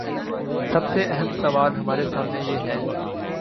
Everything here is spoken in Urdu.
سب سے اہم سوال ہمارے سامنے یہ ہے۔